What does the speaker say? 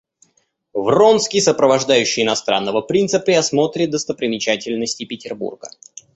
Вронский, сопровождающий иностранного принца при осмотре достопримечательностей Петербурга.